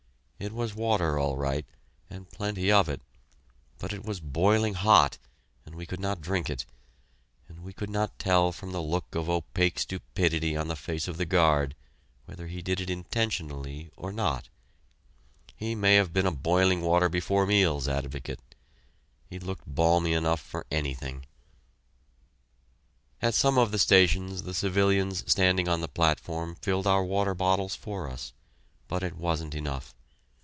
It was water, all right, and plenty of it, but it was boiling hot and we could not drink it; and we could not tell from the look of opaque stupidity on the face of the guard whether he did it intentionally or not. He may have been a boiling water before meals advocate. He looked balmy enough for anything! [Illustration: Officers' Quarters in a German Military Prison] At some of the stations the civilians standing on the platform filled our water bottles for us, but it wasn't enough.